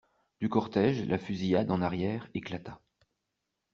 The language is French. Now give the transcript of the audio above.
Du cortège, la fusillade, en arrière, éclata.